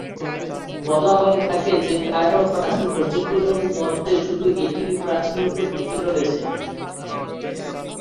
বলা হয়ে থাকে যে কায়রোর প্রাচীন মসজিদগুলোর মধ্যে শুধু এটিই প্রাচীন রূপে টিকে রয়েছে।